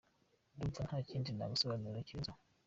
Ndumva nta kindi nagusobanurira kirenze aho”.